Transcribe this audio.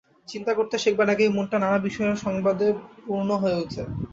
চিন্তা করতে শেখবার আগেই মনটা নানা বিষয়ের সংবাদে পূর্ণ হয়ে উঠে।